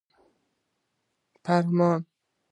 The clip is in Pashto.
فرمان